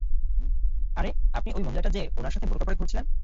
আরে আপনি ওই মহিলাটা যে, উনার সাথে বোরকা পরে ঘুরছিলেন?